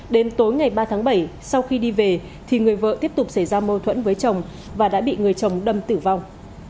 đến tối ngày ba tháng bảy sau khi đi về thì người vợ tiếp tục xảy ra mâu thuẫn với chồng và đã bị người chồng đâm tử vong